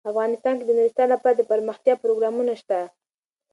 افغانستان کې د نورستان لپاره دپرمختیا پروګرامونه شته.